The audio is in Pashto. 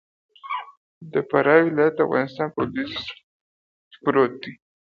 د فراه ولايت د افغانستان په لویدیځ کی پروت دې.